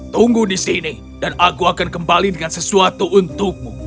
tunggu di sini dan aku akan kembali dengan sesuatu untukmu